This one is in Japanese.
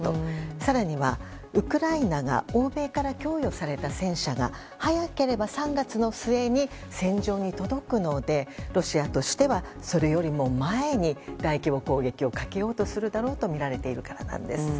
更にはウクライナが欧米から供与された戦車が早ければ３月の末に戦場に届くのでロシアとしてはそれよりも前に大規模攻撃をかけようとするだろうとみられているからなんです。